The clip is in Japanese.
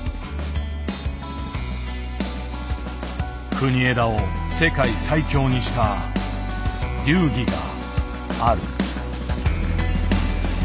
国枝を世界最強にした流儀がある。